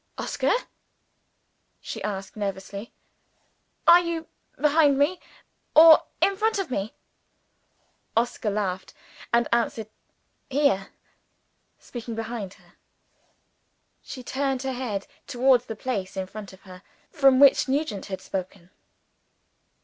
"Oscar," she asked nervously, "are you behind me? or in front of me?" Oscar laughed, and answered "Here!" speaking behind her. She turned her head towards the place in front of her, from which Nugent had spoken.